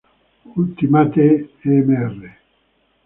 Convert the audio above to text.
Ultimate, Mr.